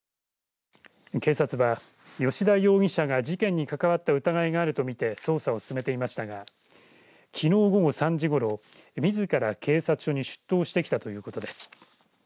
警察は吉田容疑者が事件に関わった疑いがあるとみて捜査を進めていましたがきのう午後３時ごろみずから警察署に出頭してきたということです。